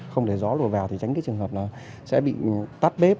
không để gió lùa vào thì tránh cái trường hợp là sẽ bị tắt bếp